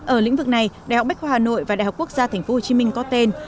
ở lĩnh vực này đại học bách khoa hà nội và đại học quốc gia thành phố hồ chí minh có tên